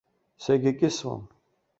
Сагьакьысуам.